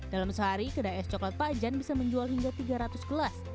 dalam sehari kedai es coklat pak jan bisa menjual hingga tiga ratus gelas